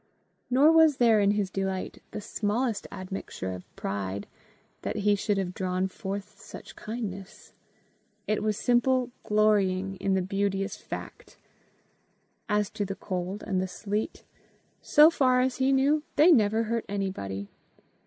Nor was there in his delight the smallest admixture of pride that he should have drawn forth such kindness; it was simple glorying in the beauteous fact. As to the cold and the sleet, so far as he knew they never hurt anybody.